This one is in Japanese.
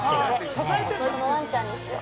このわんちゃんにしよう。